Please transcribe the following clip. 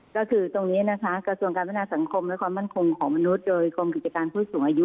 ก็คือตรงนี้นะคะกระทรวงการพัฒนาสังคมและความมั่นคงของมนุษย์โดยกรมกิจการผู้สูงอายุ